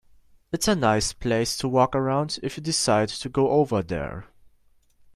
It's a nice place to walk around if you decide to go over there.